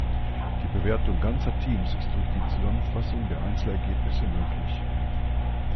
Die Bewertung ganzer Teams ist durch die Zusammenfassung der Einzelergebnisse möglich.